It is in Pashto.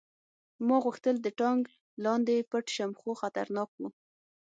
ما غوښتل د ټانک لاندې پټ شم خو خطرناک و